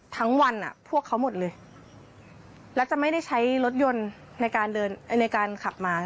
ทั้งวันพวกเขาหมดเลยและจะไม่ได้ใช้รถยนต์ในการขับมา